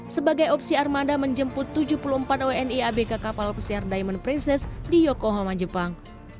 sebagai opsi armada menjemput tujuh puluh empat wni abk kapal pesiar diamond princess di yokohama jepang